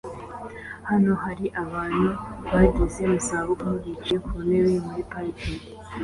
Hano hari abantu bageze mu zabukuru bicaye ku ntebe muri parike